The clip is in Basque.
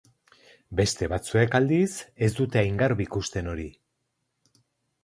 Beste batzuek, aldiz, ez dute hain garbi ikusten hori.